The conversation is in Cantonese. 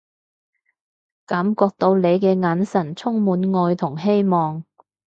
感覺到你嘅眼神充滿愛同希望